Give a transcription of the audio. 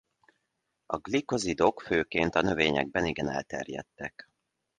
A glikozidok főként a növényekben igen elterjedtek.